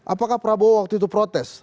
apakah prabowo waktu itu protes